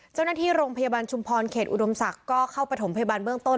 เจ้าหน้าที่โรงพยาบาลชุมพรเขตอุดมศักดิ์ก็เข้าประถมพยาบาลเบื้องต้น